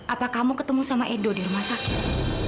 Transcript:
apa kamu ketemu sama edo di rumah sakit